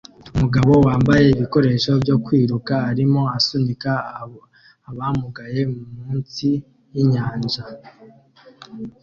Umugabo wambaye ibikoresho byo kwiruka arimo asunika abamugaye munsi yinyanja